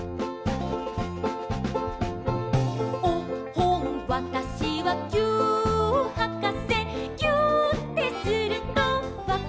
「おっほんわたしはぎゅーっはかせ」「ぎゅーってするとわかるのよ」